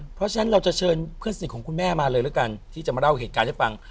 เพราะฉะนั้นเราจะเชิญเพื่อนสนิทของคุณแม่มาเลยแล้วกันที่จะมาเล่าเหตุการณ์ให้ฟัง